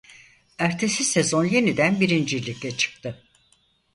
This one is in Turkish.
Ertesi sezon yeniden birinci Lig'e çıktı.